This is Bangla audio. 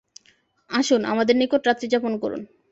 আসুন, আমাদের নিকট রাত্রি যাপন করুন।